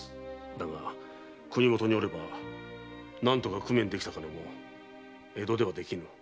だが国元におれば何とか工面できた金も江戸ではできぬ。